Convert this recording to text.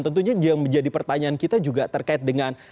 tentunya yang menjadi pertanyaan kita juga terkait dengan